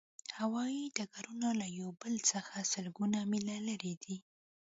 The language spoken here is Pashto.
هوایی ډګرونه له یو بل څخه سلګونه میله لرې دي